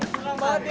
selang banget dia